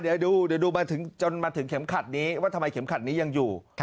เดี๋ยวดูจนมาถึงเข็มขัดนี้ว่าทำไมเข็มขัดนี้ยังอยู่